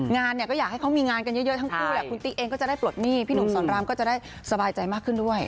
งานเนี่ยก็อยากให้เขามีงานกันเยอะทั้งคู่แหละคุณติ๊กเองก็จะได้ปลดหนี้พี่หนุ่มสอนรามก็จะได้สบายใจมากขึ้นด้วย